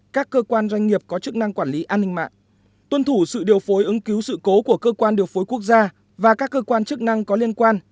các cơ quan doanh nghiệp có chức năng quản lý an ninh mạng tuân thủ sự điều phối ứng cứu sự cố của cơ quan điều phối quốc gia và các cơ quan chức năng có liên quan